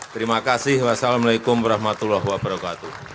terima kasih wassalamu alaikum warahmatullahi wabarakatuh